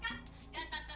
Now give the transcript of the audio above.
sampai jumpa lagi